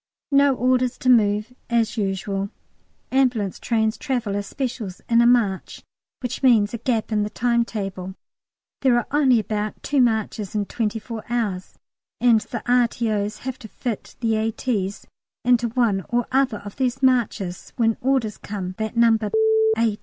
No orders to move, as usual. Ambulance trains travel as "specials" in a "marche," which means a gap in the timetable. There are only about two marches in twenty four hours, and the R.T.O.'s have to fit the A.T.'s in to one or other of these marches when orders come that No. A.